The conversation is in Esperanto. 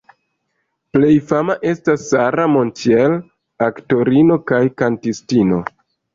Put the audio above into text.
Plej fama estas Sara Montiel, aktorino kaj kantistino.